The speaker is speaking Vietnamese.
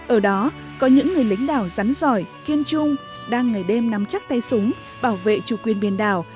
ở đó có những người lính đảo rắn giỏi kiên trung đang ngày đêm nắm chắc tay súng bảo vệ chủ quyền biển đảo